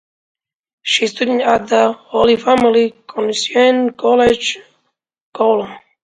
She studied at the Holy Family Canossian College Kowloon.